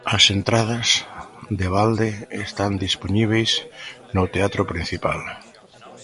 As entradas, de balde, están dispoñíbeis no Teatro Principal.